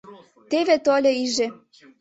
Теве тольо иже